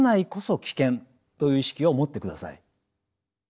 という意識を持ってください。